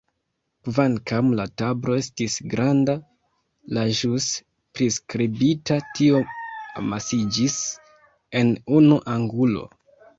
Kvankam la tablo estis granda, la ĵus priskribita trio amasiĝis en unu angulo.